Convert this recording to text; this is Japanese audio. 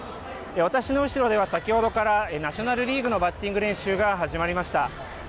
私の後ろでは先ほどからナショナルリーグのバッティング練習が始まりました。